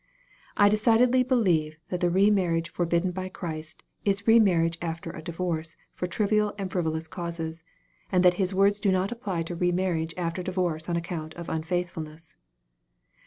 I decidedly believe that the re marriage forbidden by Christ, is re marriage after a divorce for trivial and friv olous causes, and that His words do not apply to re marriage after divorce on account of unfaithfulness.